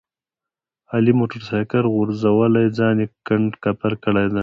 علي موټر سایکل غورځولی ځان یې کنډ کپر کړی دی.